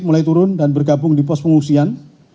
mulai turun dan bergabung di pos pengungsian